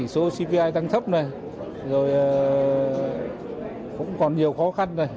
số cpi tăng thấp rồi rồi cũng còn nhiều khó khăn rồi